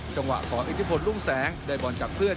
จังหวะของอิทธิพลรุ่งแสงได้บอลจากเพื่อน